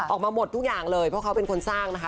ออกมาหมดทุกอย่างเลยเพราะเขาเป็นคนสร้างนะคะ